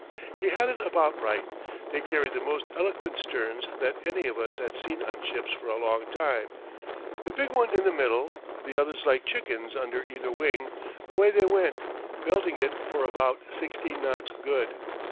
He had it about right. They carried the most eloquent sterns that any of us had seen on ships for a long time. The big one in the middle, the others like chickens under either wing away they went, belting it for about sixteen knots good.